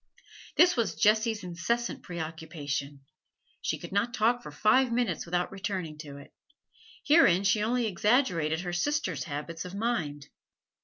This was Jessie's incessant preoccupation; she could not talk for five minutes without returning to it. Herein she only exaggerated her sisters' habits of mind.